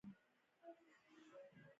ډي ایچ ایل شرکت د پارسل خوندي بسته بندي لري.